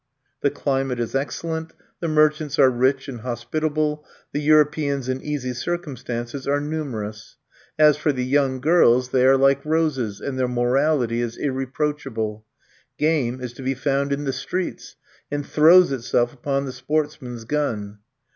The climate is excellent, the merchants are rich and hospitable, the Europeans in easy circumstances are numerous; as for the young girls, they are like roses and their morality is irreproachable. Game is to be found in the streets, and throws itself upon the sportsman's gun.